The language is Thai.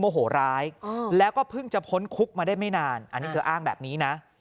โหร้ายแล้วก็เพิ่งจะพ้นคุกมาได้ไม่นานอันนี้เธออ้างแบบนี้นะ